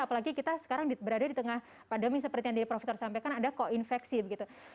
apalagi kita sekarang berada di tengah pandemi seperti yang profesor sampaikan ada koinfeksi begitu